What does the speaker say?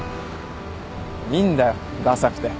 いいんだよださくて。